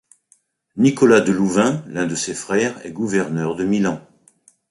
Nicolas de Louvain, l'un de ses frères, est gouverneur de Milan.